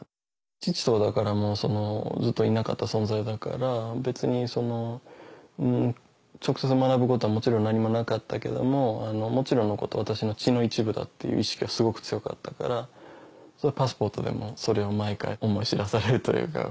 父とだからもうそのずっといなかった存在だから別に直接学ぶことはもちろん何もなかったけどももちろんのこと私の血の一部だっていう意識がすごく強かったからそれはパスポートでもそれを毎回思い知らされるというか。